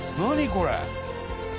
これ！